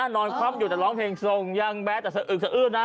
นอนความอยู่แต่ร้องเพลงแล้วหึนะ